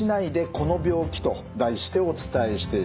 この病気」と題してお伝えしています。